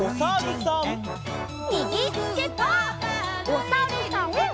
おさるさん。